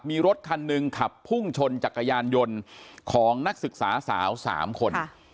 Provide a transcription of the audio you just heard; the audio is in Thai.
มีรถคันหนึ่งขับพุ่งชนจักรยานยนต์ของนักศึกษาสาว๓คน